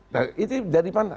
nah itu dari mana